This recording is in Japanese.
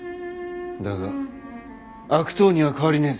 だが悪党には変わりねえぜ。